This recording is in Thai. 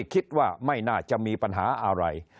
คิดว่าไม่น่าจะมีปัญหาอะไร